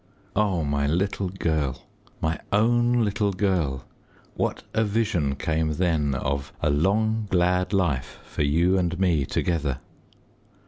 Oh, my little girl! my own little girl; what a vision came then of a long, glad life for you and me together!